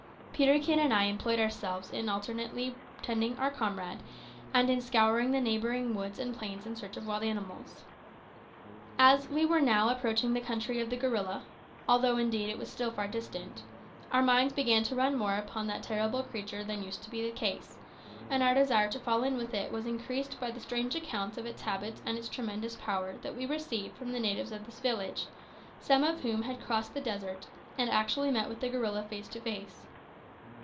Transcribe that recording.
Peterkin and I employed ourselves in alternately tending our comrade, and in scouring the neighbouring woods and plains in search of wild animals. As we were now approaching the country of the gorilla although, indeed, it was still far distant our minds began to run more upon that terrible creature than used to be the case; and our desire to fall in with it was increased by the strange accounts of its habits and its tremendous power that we received from the natives of this village, some of whom had crossed the desert and actually met with the gorilla face to face.